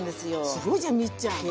すごいじゃんミッちゃん。